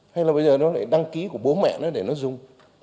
hay là bây giờ nó lại đăng ký của bố mẹ nó để nó dùng